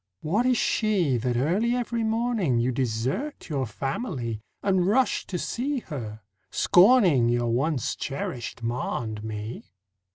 What is she That early every morning You desert your family And rush to see her, scorning Your once cherished ma and me?